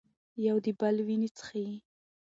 یو د بل وینې څښي.